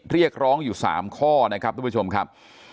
เรียกร้องอยู่๓ข้อนะครับทุกผู้ชมครับ